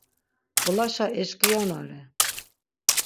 Golaşa eşǩiyonare.